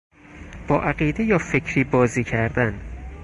با عقیده یا فکری بازی کردن